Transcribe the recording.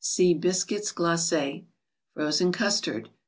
(See Biscuits Glacis.) frozen CusstarD.